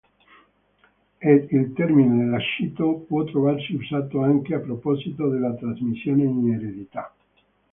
Ed il termine "lascito" può trovarsi usato anche a proposito della trasmissione in eredità.